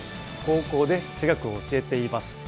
高校で地学を教えています。